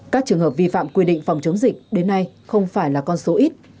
các trường hợp vi phạm quy định phòng chống dịch đến nay không phải là con số ít